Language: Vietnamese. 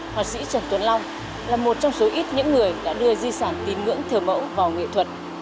họa sĩ trần tuấn long là một trong số ít những người đã đưa di sản tín ngưỡng thờ mẫu vào nghệ thuật